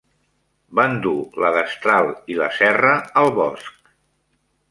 Van dur la destral i la serra al bosc.